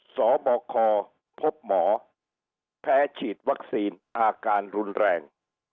สบคพบหมอแพ้ฉีดวัคซีนอาการรุนแรง